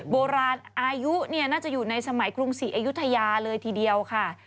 โบราณอายุน่าจะอยู่ในสมัยกรุงศรีอยุธยาเลยทีเดียวค่ะ